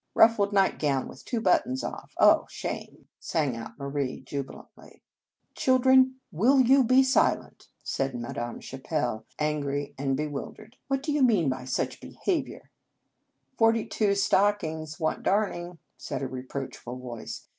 Ruffled night gown with two buttons off. Oh, shame !" sang out Marie jubilantly. " Children, will you be silent! " said Madame Chapelle, angry and bewil 144 Un Conge sans Cloche dered. " What do you mean by such behaviour ?"" Forty two s stockings want darn ing," said a reproachful voice.